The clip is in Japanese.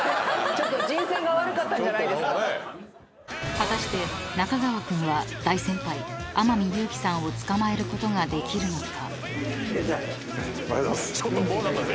［果たして中川君は大先輩天海祐希さんを捕まえることができるのか？］